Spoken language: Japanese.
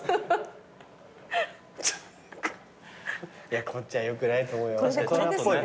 いやこっちはよくないと思うよ。